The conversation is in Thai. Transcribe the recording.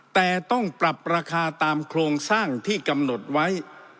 แต่ต้องปรับราคาตามโครงสร้างที่กำหนดไว้